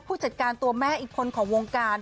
ผู้จัดการตัวแม่อีกคนของวงการ